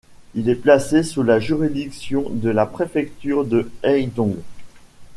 Il est placé sous la juridiction de la préfecture de Haidong.